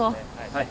はい。